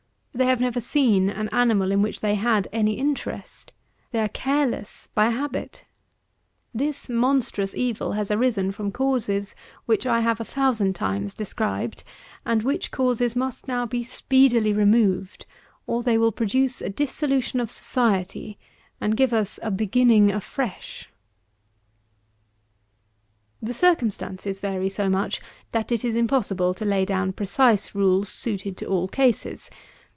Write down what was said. They have never seen an animal in which they had any interest. They are careless by habit. This monstrous evil has arisen from causes which I have a thousand times described; and which causes must now be speedily removed; or, they will produce a dissolution of society, and give us a beginning afresh. 135. The circumstances vary so much, that it is impossible to lay down precise rules suited to all cases.